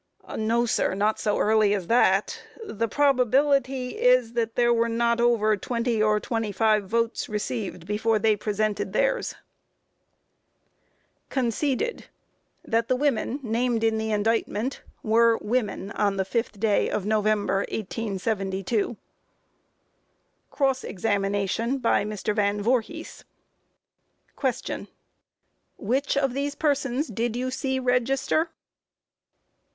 A. No, sir; not so early as that; the probability is that there was not over 20 or 25 votes received before they presented theirs. Conceded: That the women named in the indictment were women on the 5th day of November, 1872. Cross Examination by MR. VAN VOORHIS: Q. Which of those persons did you see register?